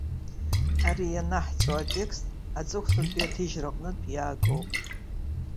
Ара ианаҳҵо атекст аҵыхәтәантәи аҭыжьра аҟнытә иаагоуп.